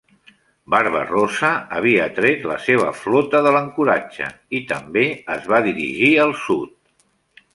Barba-rossa havia tret la seva flota de l'ancoratge i, també, es va dirigir al sud.